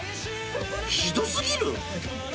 ひど過ぎる。